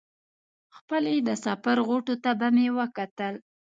خپلې د سفر غوټو ته به مې وکتل.